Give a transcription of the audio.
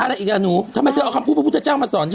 อะไรอีกอ่ะหนูทำไมเธอเอาคำพูดพระพุทธเจ้ามาสอนฉัน